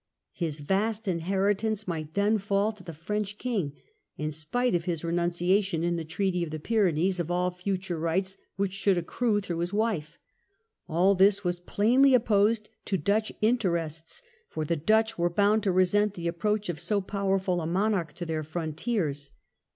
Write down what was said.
His vast inheritance might then fall to the French king, in spite of his renunciation in the Treaty of the Pyrenees of all future rights which should accrue through his wife. All this was plainly opposed to Dutch interests, for the Dutch were bound to resent the approach of so powerful a monarch to their frontiers.